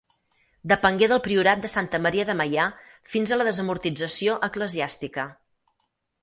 Depengué del priorat de Santa Maria de Meià fins a la desamortització eclesiàstica.